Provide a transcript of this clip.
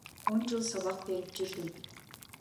Он жыл сабак берип жүрдүм.